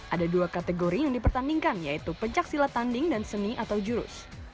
ada dua kategori yang dipertandingkan yaitu pencaksilat tanding dan seni atau jurus